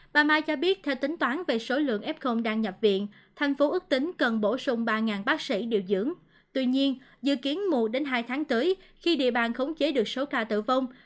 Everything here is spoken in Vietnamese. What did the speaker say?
bà mai cho biết theo tính toán về số lượng f đang nhập viện thành phố ước tính cần bổ sung ba bác sĩ điều dưỡng tuy nhiên dự kiến mùa đến hai tháng tới khi địa bàn khống chế được số ca tử vong